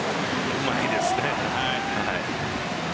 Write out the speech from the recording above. うまいですね。